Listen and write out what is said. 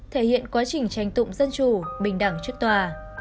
thể hiện quá trình tranh tụng dân chủ bình đẳng trước tòa